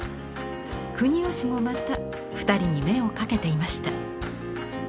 国芳もまた２人に目をかけていました。